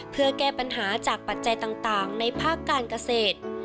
เพื่อแก้ปัญหาจากปัจจัยต่างในภาคการเกษตร